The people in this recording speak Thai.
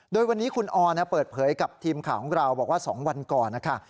โดยวันนี้คุณออนเปิดเผยกับทีมข่าวของเราบอกว่า๒วันก่อนนะคะ